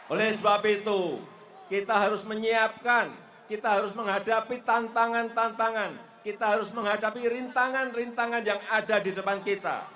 oleh sebab itu kita harus menyiapkan kita harus menghadapi tantangan tantangan kita harus menghadapi rintangan rintangan yang ada di depan kita